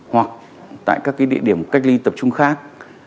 hoặc tại các địa điểm cách ly tập trung khác